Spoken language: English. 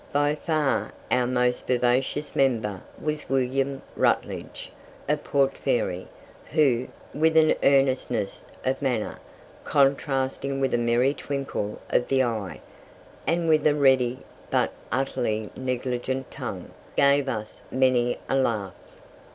By far our most vivacious member was William Rutledge, of Port Fairy, who, with an earnestness of manner, contrasting with a merry twinkle of the eye, and with a ready but utterly negligent tongue, gave us many a laugh.